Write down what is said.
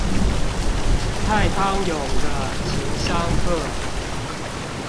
蔡康永的情商課